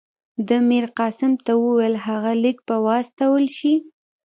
ده میرقاسم ته وویل هغه لیک به واستول شي.